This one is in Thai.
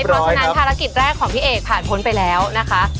เพราะฉะนั้นภารกิจแรกของพี่เอกผ่านพ้นไปแล้วนะคะ